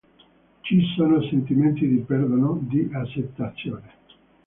Ci sono sentimenti di perdono, di accettazione.